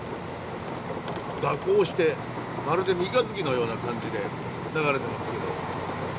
蛇行してまるで三日月のような感じで流れてますけど。